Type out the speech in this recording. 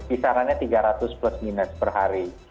kisarannya tiga ratus plus minus per hari